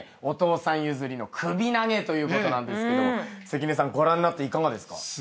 お父さん譲りの首投げということなんですけども関根さんご覧になっていかがですか？